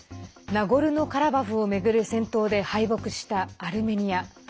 ナゴルノカラバフを巡る戦闘で、敗北したアルメニア。